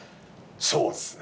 そうですね。